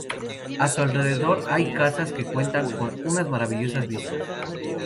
A su alrededor hay casas que cuentan con unas maravillosas vistas.